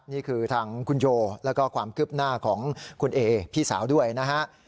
นี่คือทางคุณโยแล้วก็ความคืบหน้าของคุณเอพี่สาวด้วยนะฮะ